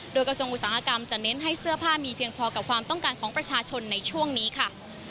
โดยกระทรวงอุตสาหกรรมจะเน้นให้เสื้อผ้ามีเพียงพอกับความต้องการของประชาชนในช่วงนี้ค่ะ